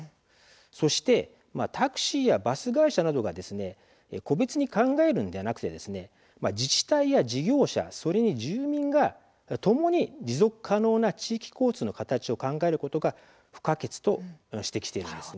そして、タクシーやバス会社などが個別に考えるのではなく自治体や事業者、それに住民がともに持続可能な地域交通の形を考えることが不可欠と指摘しているんです。